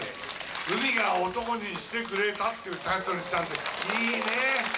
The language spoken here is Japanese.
海が男にしてくれたっていうタイトルにしたんで、いいねー。